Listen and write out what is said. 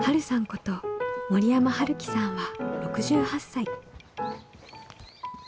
こと森山春樹さんは６８歳。